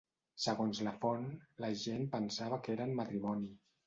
Segons la font, la gent pensava que eren matrimoni.